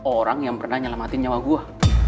orang yang pernah nyelamatin nyawa gue